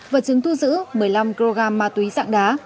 vật chứng thu giữ một mươi năm kg ma túy dạng đá